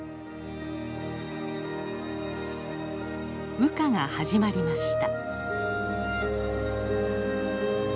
羽化が始まりました。